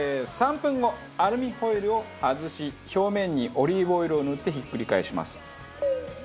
３分後アルミホイルを外し表面にオリーブオイルを塗ってひっくり返します。